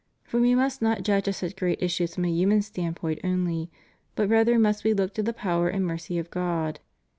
For we must not judge of such great issues from a human standpoint only, but rather must we look to the power and mercy of God.